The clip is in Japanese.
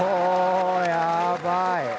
やばい。